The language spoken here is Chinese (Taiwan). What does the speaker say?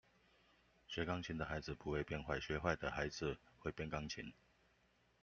學鋼琴的孩子不會變壞，學壞的孩子會變鋼琴